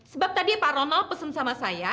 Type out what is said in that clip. sebab tadi pak ronald pesen sama saya